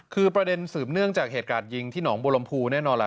คือประเด็นสืบเนื่องจากเหตุการณ์ยิงที่หนองบัวลำพูแน่นอนล่ะ